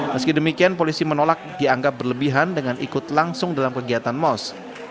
meski demikian polisi menolak dianggap berlebihan dengan ikut langsung dalam kegiatan mos